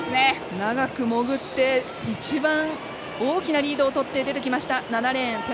長く潜って一番大きなリードを取って出てきました、７レーン。